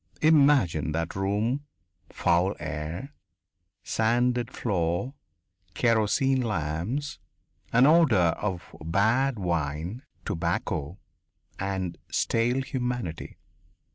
Imagine that room foul air, sanded floor, kerosene lamps, an odour of bad wine, tobacco, and stale humanity.